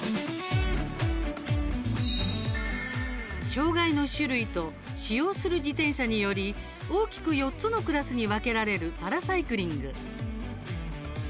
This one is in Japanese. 障がいの種類と使用する自転車により大きく４つのクラスに分けられるパラサイクリング。